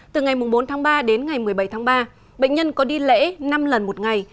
từ ngày bốn tháng ba đến ngày một mươi bảy tháng ba bệnh nhân có đi lễ năm lần một ngày